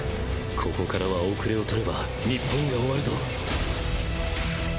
ここからはおくれを取れば日本が終わるぞ